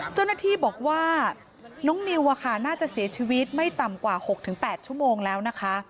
เจ้าหน้าที่บอกว่าน้องนิวน่าจะเสียชีวิตไม่ต่ำกว่า๖๘ชั่วโมงแล้วนะคะ